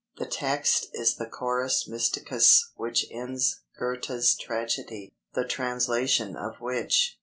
The text is the Chorus mysticus which ends Goethe's tragedy, the translation of which